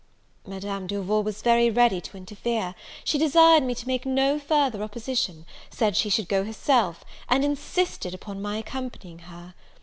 Madame Duval was very ready to interfere; she desired me to make no further opposition, said she should go herself, and insisted upon my accompanying her.